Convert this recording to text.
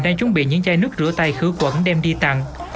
đang chuẩn bị những chai nước rửa tay khử quẩn đem đi tặng